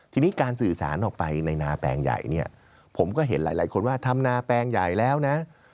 ทีนี้การสื่อสารออกไปในนาแปลงใหญ่เนี่ยผมก็เห็นหลายคนว่าทำนาแปลงใหญ่แล้วนะ